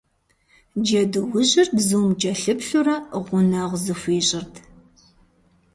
Джэдуужьыр бзум кӀэлъыплъурэ, гъунэгъу зыхуищӀырт.